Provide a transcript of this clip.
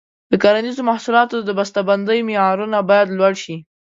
د کرنیزو محصولاتو د بسته بندۍ معیارونه باید لوړ شي.